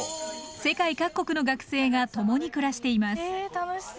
世界各国の学生が共に暮らしています。